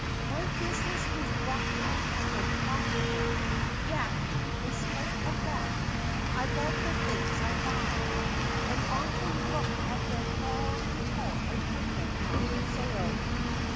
My business is rotten and unprofitable ; yet, in spite of that, I love the things I buy, and often look at them long before I put them up for sale.